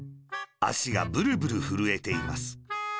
あしがブルブルふるえています。